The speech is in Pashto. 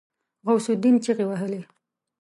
غوث الدين چيغې وهلې.